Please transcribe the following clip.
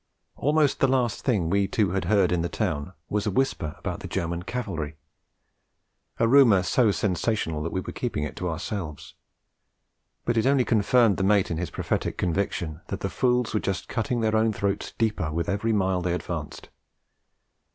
Almost the last thing we two had heard in the town was a whisper about the German cavalry; a rumour so sensational that we were keeping it to ourselves; but it only confirmed the mate in his prophetic conviction that the fools were just cutting their own throats deeper with every mile they advanced.